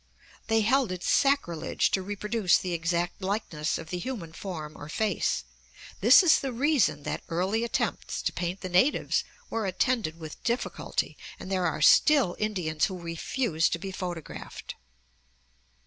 They held it sacrilege to reproduce the exact likeness of the human form or face. This is the reason that early attempts to paint the natives were attended with difficulty, and there are still Indians who refuse to be photographed.